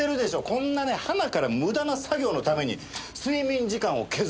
こんなねはなから無駄な作業のために睡眠時間を削られて。